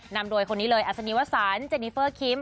นำโดยคนนี้เลยอัศนีวสันเจนิเฟอร์คิม